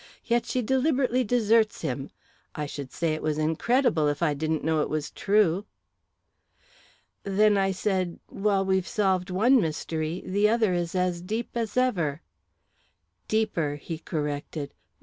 Yet she deliberately deserts him. I should say it was incredible, if I didn't know it was true!" "Then," I said, "while we've solved one mystery, the other is as deep as ever." "Deeper!" he corrected.